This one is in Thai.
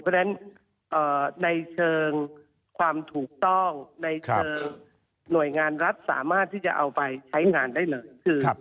เพราะฉะนั้นในเชิงความถูกต้องในเชิงหน่วยงานรัฐสามารถที่จะเอาไปใช้งานได้เลย